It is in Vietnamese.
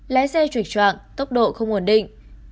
lái xe truyệt trọng tốc độ không ổn định